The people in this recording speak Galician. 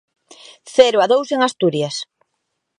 Cero a dous en Asturias.